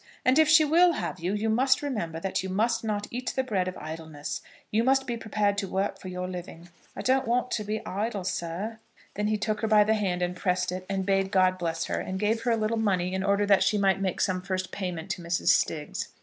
And if she will have you, you must remember that you must not eat the bread of idleness. You must be prepared to work for your living." "I don't want to be idle, sir." Then he took her by the hand, and pressed it, and bade God bless her, and gave her a little money in order that she might make some first payment to Mrs. Stiggs.